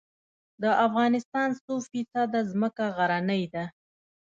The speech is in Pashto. د افغانستان څو فیصده ځمکه غرنۍ ده؟